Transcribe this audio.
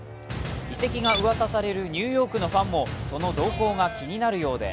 移籍がうわさされるニューヨークのファンもその動向が気になるようで